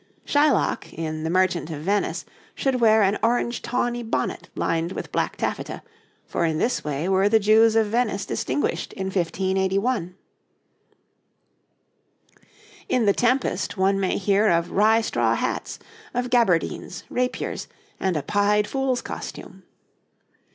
Shylock, in 'The Merchant of Venice,' should wear an orange tawny bonnet lined with black taffeta, for in this way were the Jews of Venice distinguished in 1581. In 'The Tempest' one may hear of rye straw hats, of gaberdines, rapiers, and a pied fool's costume.